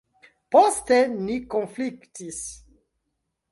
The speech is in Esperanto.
Poste ni konfliktis.